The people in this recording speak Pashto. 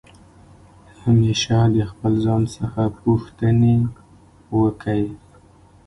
همېشه د خپل ځان څخه پوښتني وکئ!